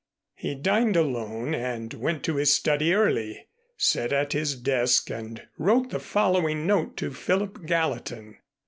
He dined alone and went to his study early, sat at his desk and wrote the following note to Philip Gallatin.